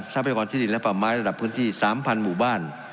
พยากรที่ดินและป่าไม้ระดับพื้นที่๓๐๐หมู่บ้าน